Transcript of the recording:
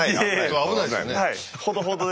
危ないですよね。